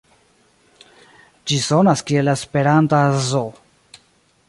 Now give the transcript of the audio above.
Ĝi sonas kiel la esperanta Zo.